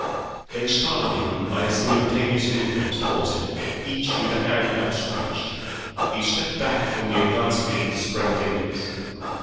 They startled him by a simultaneous movement towards him, each with a hand outstretched. He stepped back from the advance of these spread fingers.